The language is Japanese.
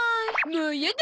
もうやだ。